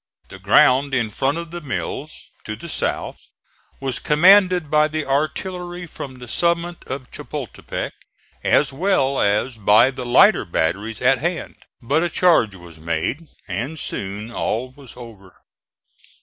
The ground in front of the Mills, to the south, was commanded by the artillery from the summit of Chapultepec as well as by the lighter batteries at hand; but a charge was made, and soon all was over.